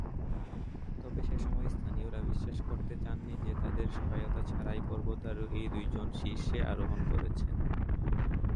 তবে সেসময় স্থানীয়রা বিশ্বাস করতে চাননি যে তাদের সহায়তা ছাড়াই পর্বতারোহী দুইজন শীর্ষে আরোহণ করেছেন।